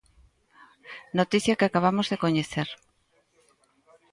Noticia que acabamos de coñecer.